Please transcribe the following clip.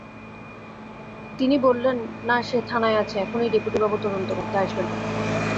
তিনি বললেন, না সে থানায় আছে, এখনই ডেপুটিবাবু তদন্ত করতে আসবেন।